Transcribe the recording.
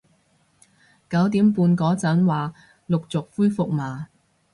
九點半嗰陣話陸續恢復嘛